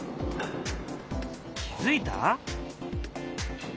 気付いた？